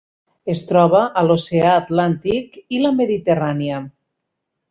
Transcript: Es troba a l'Oceà Atlàntic i la Mediterrània.